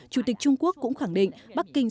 chủ tịch trung quốc cũng khẳng định bắc kinh